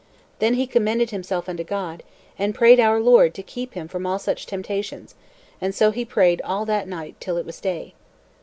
Then he commended himself unto God, and prayed our Lord to keep him from all such temptations; and so he prayed all that night till it was day.